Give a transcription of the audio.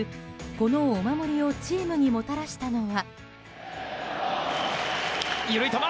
このお守りをチームにもたらしたのは。